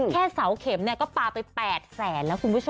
แค่เสาเข็มก็ปลาไป๘แสนแล้วคุณผู้ชม